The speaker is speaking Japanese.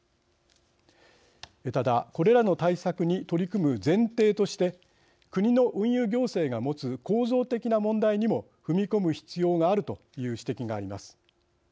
ただ、これらの対策に取り組む前提として国の運輸行政が持つ構造的な問題にも踏み込む必要があるという指摘があります。